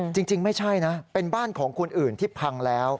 จริงไม่ใช่นะเป็นบ้านของคนอื่นที่พังแล้ว